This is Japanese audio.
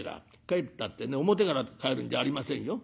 帰ったってね表から帰るんじゃありませんよ。